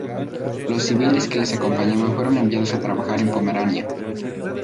Los civiles que les acompañaban fueron enviados a trabajar en Pomerania.